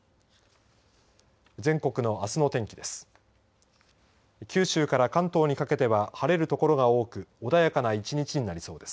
全国のあすの天気です。